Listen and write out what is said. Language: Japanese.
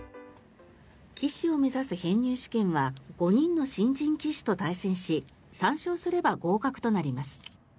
棋士を目指す編入試験は５人の新人棋士と対戦し３勝すれば合格となります。